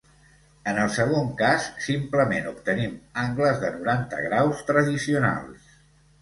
En el segon cas, simplement obtenim angles de noranta graus tradicionals.